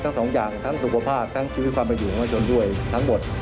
ทั้งสองอย่างทั้งสุขภาพทั้งชีวิตความประอยู่ของประชาชนด้วยทั้งหมด